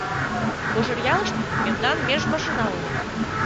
— Кожеръялыште мемнан меж машина уло.